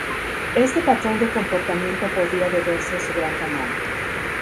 Este patrón de comportamiento podría deberse a su gran tamaño.